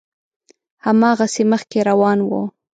هماغسې مخکې روان و.